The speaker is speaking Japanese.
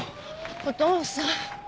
お父さん。